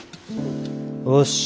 よし。